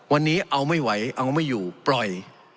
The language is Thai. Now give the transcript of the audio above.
วันนี้เอาไม่ไหวเอาไม่อยู่ปล่อย